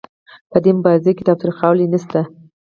په دې مبارزه کې تاوتریخوالی نشته.